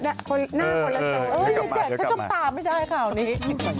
หน้าคนละสองเดี๋ยวกลับมาอย่าจับตาไม่ได้ค่ะวันนี้